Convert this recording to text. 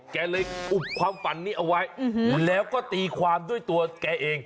แกเลยอุบความฝันนี้เอาไว้แล้วก็ตีความด้วยตัวแกเอง